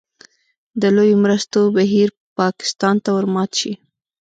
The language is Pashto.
د لویو مرستو بهیر پاکستان ته ورمات شي.